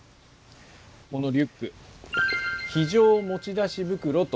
このリュック非常持ち出し袋といいます。